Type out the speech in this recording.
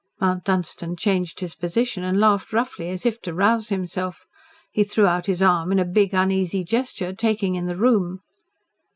Mount Dunstan changed his position and laughed roughly, as if to rouse himself. He threw out his arm in a big, uneasy gesture, taking in the room.